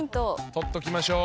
取っときましょう。